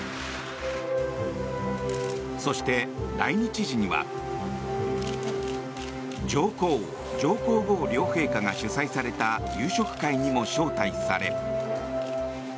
そして、来日時には上皇・上皇后両陛下が主催された夕食会にも招待され。